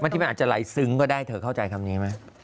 ที่มันอาจจะไหลซึ้งก็ได้เธอเข้าใจคำนี้ไหม